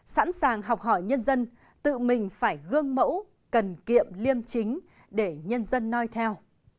sẵn sàng học hỏi nhân dân tự mình phải gương mẫu cần kiệm liêm chính để nhân dân nói theo